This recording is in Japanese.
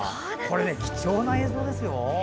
貴重な映像ですよ！